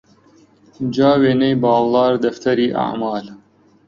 جا وێنەی باڵدار دەفتەری ئەعمال